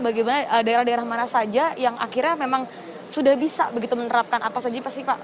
bagaimana daerah daerah mana saja yang akhirnya memang sudah bisa begitu menerapkan apa saja pasti pak